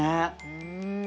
うん。